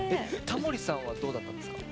タモリさんはどうだったんですか？